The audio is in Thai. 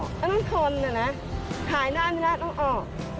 ก็ต้องทนนะขายได้หรือไม่ได้ก็ต้องออก